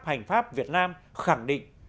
hành pháp việt nam khẳng định